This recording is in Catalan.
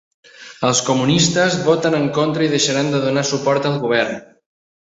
Els comunistes voten en contra i deixaran de donar suport al govern.